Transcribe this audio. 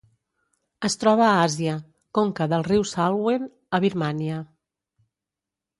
Es troba a Àsia: conca del riu Salween a Birmània.